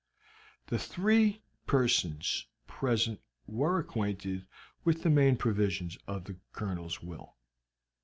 The three persons present were acquainted with the main provisions of the Colonel's will.